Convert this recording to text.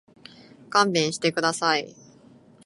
勘弁してください。